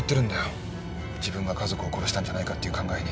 自分が家族を殺したんじゃないかって考えに。